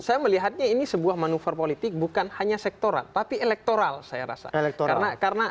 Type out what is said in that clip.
saya melihatnya ini sebuah manuver politik bukan hanya sektoral tapi elektoral saya rasa